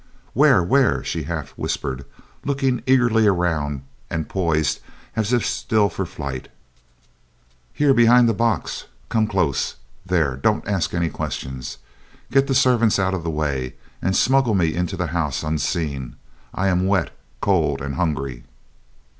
"Where? Where?" she half whispered, looking eagerly around and poised as if still for flight. "Here behind the box. Come close. There, don't ask a question. Get the servants out of the way and smuggle me into the house unseen. I am wet, cold, and hungry."